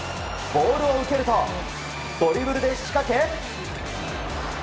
ボールを受けるとドリブルで仕掛け。